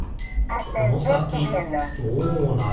このさきどうなる？